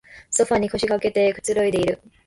ソファーに腰かけてくつろいでいる